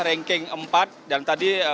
ranking empat dan tadi